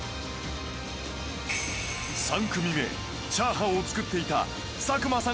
３組目チャーハンを作っていた佐久間さん